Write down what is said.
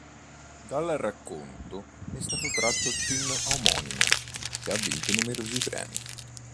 Dal racconto è stato tratto il film omonimo che ha vinto numerosi premi.